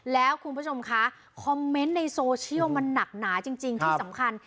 แล้วคุณผู้ชมคะคอมเมนต์ในโซเชียลมันหนักหนาจริงที่สำคัญ